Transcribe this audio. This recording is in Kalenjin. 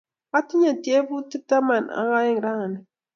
Atinye tyebutik taman ak aeng' rani.